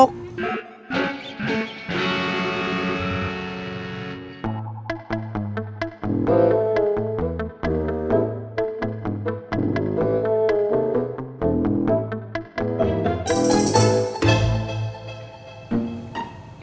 tunggu aku mau ke rumah mama